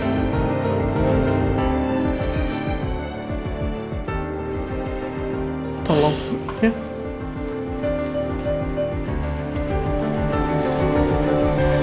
ibu parti tolong bawa bu sarah kembali ke tanah